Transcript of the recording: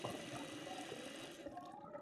د منابعو مناسب استعمال او کنټرولول اړین دي.